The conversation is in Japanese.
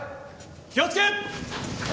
気をつけ！